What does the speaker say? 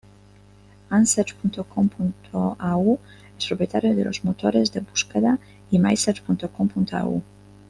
Ansearch.com.au es propietario de los motores de búsqueda y Mysearch.com.au.